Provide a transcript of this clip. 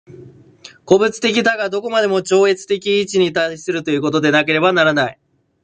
個物的多が何処までも超越的一に対するということでなければならない。